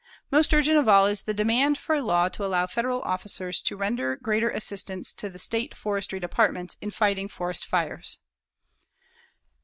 Most urgent of all is the demand for a law to allow Federal officers to render greater assistance to the state forestry departments in fighting forest fires.